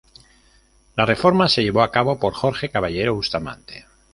La reforma se llevó a cabo por Jorge Caballero Bustamante.